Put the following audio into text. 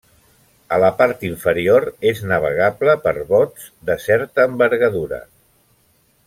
A la part inferior és navegable per bots de certa envergadura.